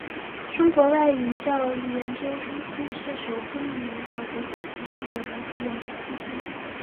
中国外语教育研究中心是首批命名的国家级重点文科研究基地。